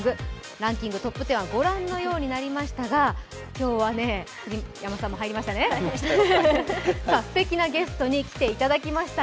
ランキングトップ１０はご覧のようになりましたが今日はすてきなゲストに来ていただきました。